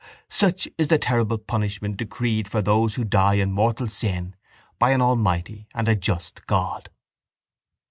Such is the terrible punishment decreed for those who die in mortal sin by an almighty and a just God.